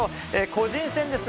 個人戦です。